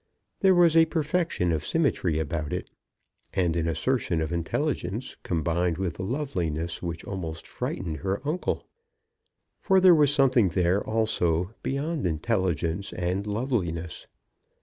There was a perfection of symmetry about it, and an assertion of intelligence combined with the loveliness which almost frightened her uncle. For there was something there, also, beyond intelligence and loveliness.